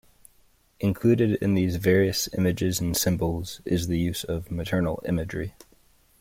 Included in these various images and symbols is the use of maternal imagery.